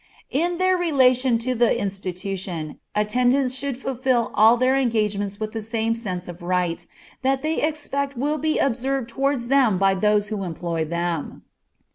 In their relation to the institution, attendants should fulfil all their engagements with the same sense of right, that they expect will be observed towards them by those who employ them.